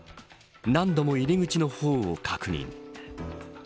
何度も入り口の方を確認。